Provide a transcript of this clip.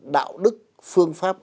đạo đức phương pháp